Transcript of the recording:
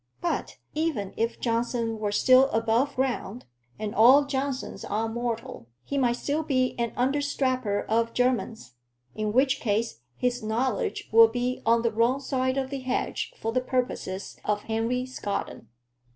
But even if Johnson were still above ground and all Johnsons are mortal he might still be an understrapper of Jermyn's, in which case his knowledge would be on the wrong side of the hedge for the purposes of Henry Scaddon.